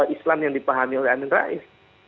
islam yang dipahami oleh amin rais